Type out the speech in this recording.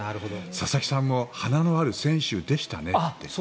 佐々木さんも花のある選手でしたねって。